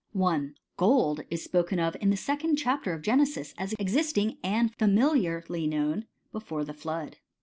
1 . Gold is spoken of in the second chapter of Gene^ sis as existing and familiarly known before the flood.